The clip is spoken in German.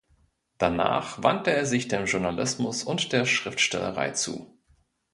Danach wandte er sich dem Journalismus und der Schriftstellerei zu.